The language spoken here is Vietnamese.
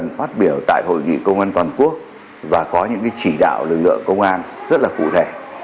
phát biểu tại hội nghị công an toàn quốc và có những chỉ đạo lực lượng công an rất là cụ thể